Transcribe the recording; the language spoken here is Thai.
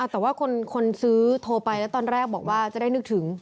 แต่ว่าคนซื้อโทรไปแล้วตอนแรกบอกว่าจะได้นึกถึง